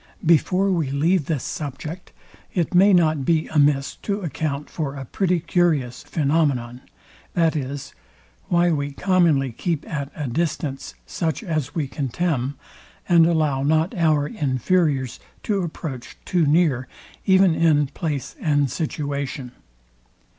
Before we leave this subject, it may not be amiss to account for a pretty curious phænomenon, viz, why we commonly keep at a distance such as we contemn, and allow not our inferiors to approach too near even in place and situation.